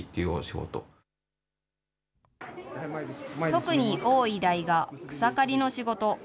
特に多い依頼が、草刈りの仕事。